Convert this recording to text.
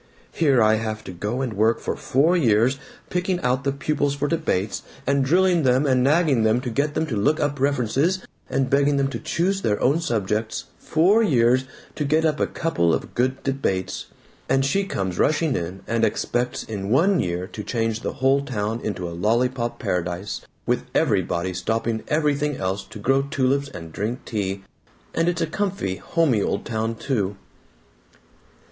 Here I have to go and work for four years, picking out the pupils for debates, and drilling them, and nagging at them to get them to look up references, and begging them to choose their own subjects four years, to get up a couple of good debates! And she comes rushing in, and expects in one year to change the whole town into a lollypop paradise with everybody stopping everything else to grow tulips and drink tea. And it's a comfy homey old town, too!"